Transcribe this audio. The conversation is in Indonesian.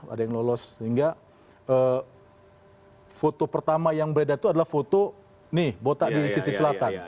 ada yang lolos sehingga foto pertama yang beredar itu adalah foto nih botak di sisi selatan